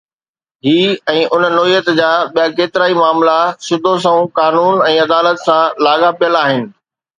هي ۽ ان نوعيت جا ٻيا ڪيترائي معاملا سڌو سنئون قانون ۽ عدالت سان لاڳاپيل آهن